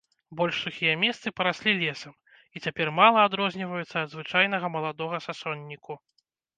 Больш сухія месцы параслі лесам і цяпер мала адрозніваюцца ад звычайнага маладога сасонніку.